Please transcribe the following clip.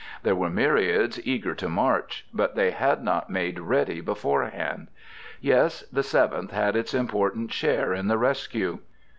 There were myriads eager to march; but they had not made ready beforehand. Yes, the Seventh had its important share in the rescue.